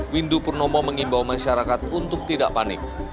windu purnomo mengimbau masyarakat untuk tidak panik